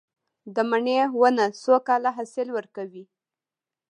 د مڼې ونه څو کاله حاصل ورکوي؟